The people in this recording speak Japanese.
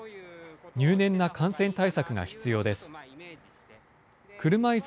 入念な感染対策が必要です。